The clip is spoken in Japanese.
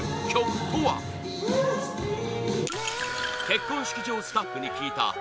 結婚式場スタッフに聞いた！